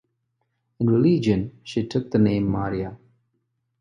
In religion she took the name Maria.